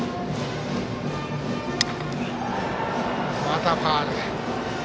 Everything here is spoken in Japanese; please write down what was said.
また、ファウル。